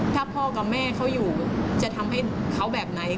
ถ้าพ่อกับแม่เขาอยู่จะทำให้เขาแบบไหน